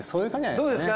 どうですか？